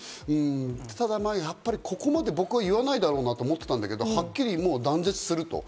ただまぁやっぱり、ここまで僕は言わないだろうなと思ってたけど、はっきり断絶すると。